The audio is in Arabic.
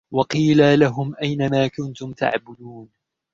وَقِيلَ لَهُمْ أَيْنَ مَا كُنْتُمْ تَعْبُدُونَ